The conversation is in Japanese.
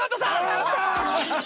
やったー！